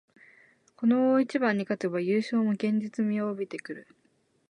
この大一番に勝てば優勝も現実味を帯びてくる